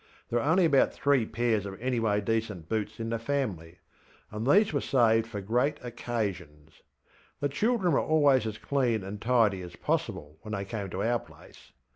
There were only about three pairs of anyway decent boots in the family, and these were saved for great occasions. The children were always as clean and tidy as possible when they came to our place.